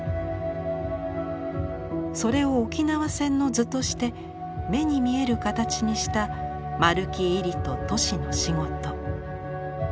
それを「沖縄戦の図」として目に見える形にした丸木位里と俊の仕事。